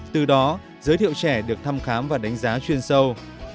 từ đó giới thiệu trẻ được thăm khám và đánh giá chuyên sâu